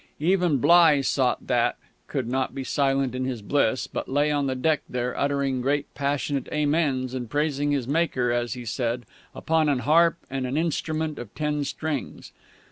Even Bligh sought that could not be silent in his bliss, but lay on the deck there, uttering great passionate Amens and praising his Maker, as he said, upon an harp and an instrument of ten strings.